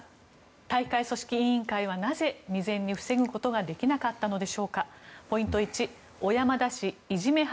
大会組織委員会はなぜ、未然に防ぐことができなかったのでしょうか。